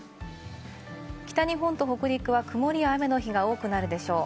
北日本と北陸は曇りや雨の日が多くなるでしょう。